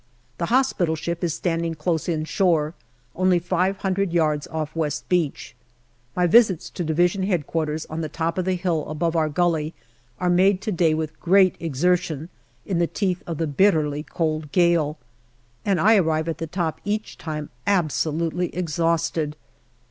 The hospital ship is standing close inshore, only five hundred yards off West Beach. My visits to D.H.Q. on the top of the hill above our gully are made to day with great exertion in the teeth of the bitterly cold gale, and I arrive at the top each time absolutely exhausted.